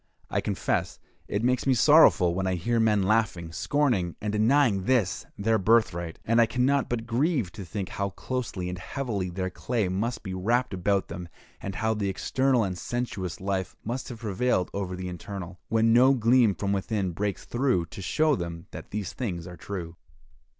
I confess it makes me sorrowful when I hear men laughing, scorning, and denying this their birthright; and I can not but grieve to think how closely and heavily their clay must be wrapped about them, and how the external and sensuous life must have prevailed over the internal, when no gleam from within breaks through to show them that these things are true.